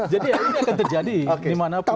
jadi ini akan terjadi dimanapun